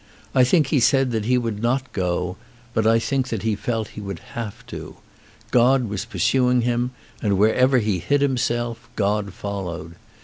I think he said that he would not go, but I think he felt that he would have to. God was pur suing him and wherever he hid himself God fol lowed.